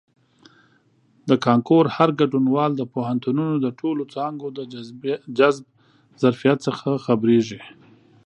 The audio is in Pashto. د کانکور هر ګډونوال د پوهنتونونو د ټولو څانګو د جذب ظرفیت څخه خبریږي.